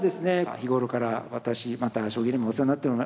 日頃から私また将棋連盟もお世話になっております